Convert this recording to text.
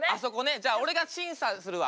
じゃあ俺が審査するわ。